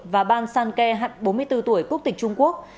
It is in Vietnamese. và ban sanke bốn mươi bốn tuổi quốc tịch trung quốc